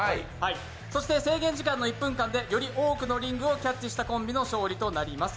そして、制限時間の１分間でより多くのリングをキャッチしたコンビが勝利です。